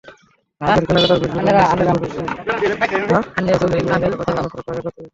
ঈদের কেনাকাটার ভিড় শুধু মুসলিম-অধ্যুষিত এলাকাতেই নয়, কলকাতার অন্যত্রও প্রায় একই চিত্র।